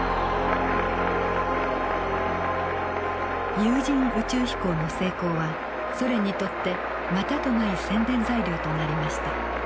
有人宇宙飛行の成功はソ連にとってまたとない宣伝材料となりました。